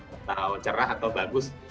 atau cerah atau bagus